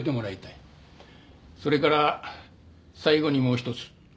それから最後にもう一つ。